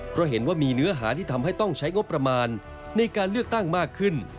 เพราะเห็นว่ามีเนื้อหาที่ทำให้ต้องใช้งบประมาณในการเลือกตั้งมากขึ้น